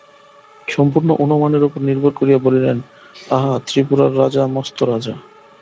সম্পূর্ণ অনুমানের উপর নির্ভর করিয়া বলিলেন, আহা, ত্রিপুরার রাজা মস্ত রাজা।